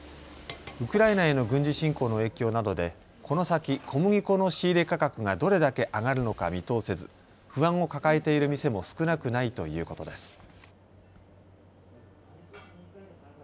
ウクライナへの軍事侵攻の影響などでこの先、小麦粉の仕入れ価格がどれだけ上がるのか見通せず不安を抱えている店も少なくないということです。